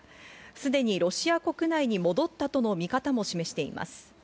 すでにロシア国内に戻ったとの見方も示しています。